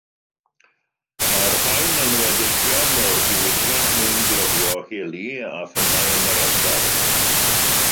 Mae'r rhain yn weddillion o'r diwydiant mwyngloddio heli a ffynnai yn yr ardal.